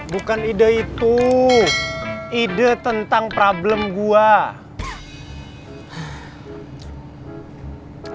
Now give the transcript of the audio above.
bukan ide itu ide tentang problem gua